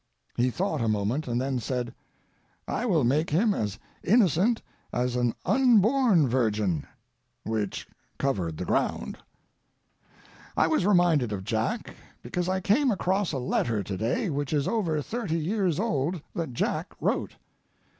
He thought a moment, and then said, "I will make him as innocent as an unborn virgin;" which covered the ground. I was reminded of Jack because I came across a letter to day which is over thirty years old that Jack wrote.